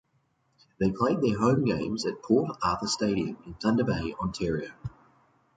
They played their home games at Port Arthur Stadium in Thunder Bay, Ontario.